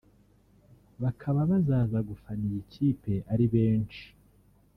bakaba bazaza gufana iyi kipe ari benshi